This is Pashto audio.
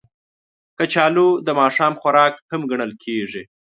کچالو د ماښام خوراک هم ګڼل کېږي